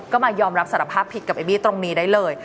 ก็มายอมรับสารภาพผิดกับไอ้บี้ตรงนี้ได้เลย